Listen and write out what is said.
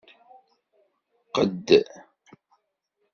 Qqed.